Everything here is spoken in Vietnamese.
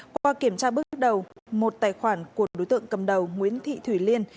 qua kiểm tra bước đầu một tài khoản của đối tượng cầm đầu nguyễn thị thủy liên